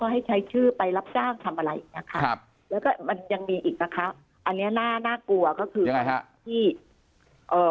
ให้ใช้ชื่อไปรับสร้างทำอะไรอีกนะคะแล้วก็มันยังมีอีกนะคะอันนี้น่ากลัวก็คือ